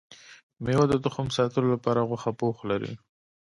ميوه د تخم ساتلو لپاره غوښه پوښ لري